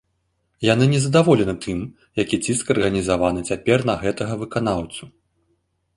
Яны не задаволены тым, які ціск арганізаваны цяпер на гэтага выканаўцу.